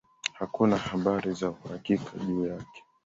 Hakuna habari za uhakika juu yake.